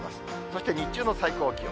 そして日中の最高気温。